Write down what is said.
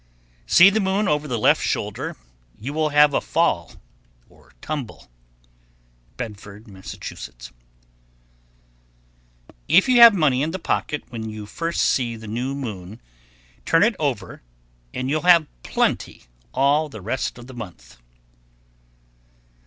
See the moon over the left shoulder, You will have a fall (tumble). Bedford, Mass. 1199.[TN 10] If you have money in the pocket when you first see the new moon, turn it over, and you'll have plenty all the rest of the month.